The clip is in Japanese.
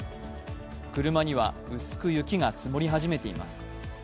車には薄く雪が積もり始めています。